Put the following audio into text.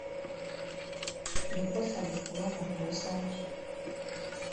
De porsa go komot na for wusaid?